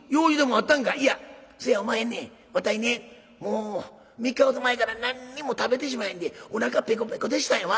わたいねもう３日ほど前から何にも食べてしまへんでおなかペコペコでしたんやわ。